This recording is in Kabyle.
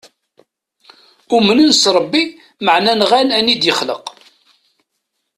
Umnen s rebbi maɛna nɣan ayen id-yexleq.